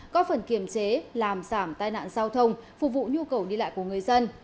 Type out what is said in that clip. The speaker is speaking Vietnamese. có phần kiểm chế làm giảm tai nạn giao thông phục vụ nhu cầu đi lại của người dân